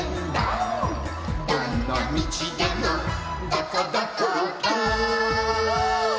「どんなみちでもどこどこどーん」